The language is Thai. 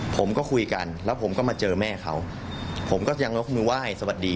ผมก็คุยกันแล้วผมก็มาเจอแม่เขาผมก็ยังยกมือไหว้สวัสดี